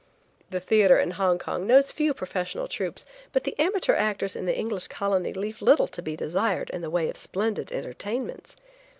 The theatre in Hong Kong knows few professional troupes, but the amateur actors in the English colony leave little to be desired in the way of splendid entertainments.